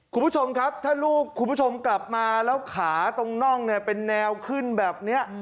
คุณผู้ชมครับถ้าลูกคุณผู้ชมกลับมาแล้วขาตรงน่องเนี่ยเป็นแนวขึ้นแบบนี้